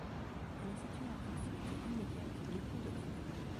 Elle est située à proximité immédiate du pont de Grenelle.